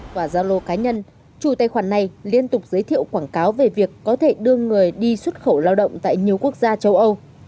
và gia lô cá nhân chủ tài khoản này liên tục giới thiệu quảng cáo về việc có thể đưa người đi xuất khẩu lao động tại nhiều quốc gia châu âu